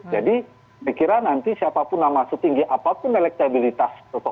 jadi dikira nanti siapapun nama setinggi apapun elektabilitasnya